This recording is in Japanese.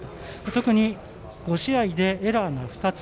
特に５試合でエラーが２つ。